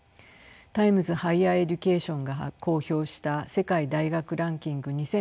「タイムズ・ハイヤー・エデュケーション」が公表した世界大学ランキング２０２３